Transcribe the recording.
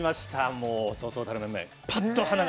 もう、そうそうたる面々。